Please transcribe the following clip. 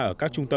ở các trung tâm